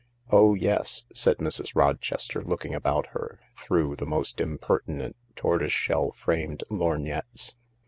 " Oh yes," said Mrs. Rochester, looking about her through the most impertinent tortoiseshell framed lorgnettes.